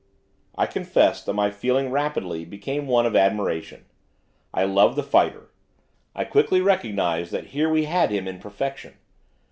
I confess that my feeling rapidly became one of admiration. I love the fighter. I quickly recognised that here we had him in perfection.